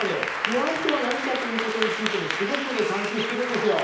不安とは何かということについてもすごくね探求してるんですよ。